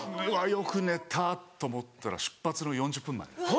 よく寝たと思ったら出発の４０分前。